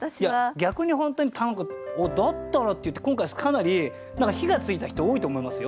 逆に本当に「おっだったら」っていって今回かなり何か火がついた人多いと思いますよ。